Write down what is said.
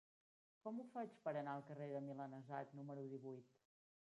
Com ho faig per anar al carrer del Milanesat número divuit?